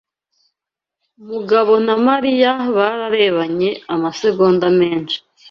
Mugabo na Mariya bararebanye amasegonda menshi.